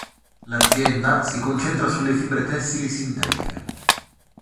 L'azienda si concentra sulle fibre tessili sintetiche.